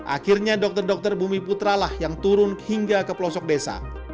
akhirnya dokter dokter bumi putralah yang turun hingga ke pelosok desa